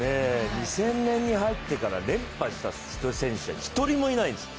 ２０００年に入ってから、連覇した選手は一人もいないんです。